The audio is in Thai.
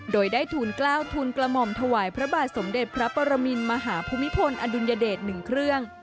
โดยได้ทูลกล้าวทูลกระหม่อมถวายพระบาทสมเด็จพระปรมินมหาภูมิพลอดุลยเดช๑เครื่อง